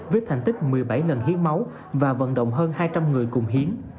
với thành tích một mươi bảy lần hiến máu và vận động hơn hai trăm linh người cùng hiến